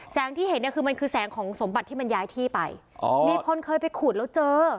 ที่เห็นเนี่ยคือมันคือแสงของสมบัติที่มันย้ายที่ไปอ๋อมีคนเคยไปขูดแล้วเจอ